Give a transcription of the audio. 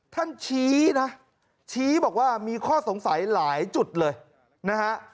ชี้นะชี้บอกว่ามีข้อสงสัยหลายจุดเลยนะฮะ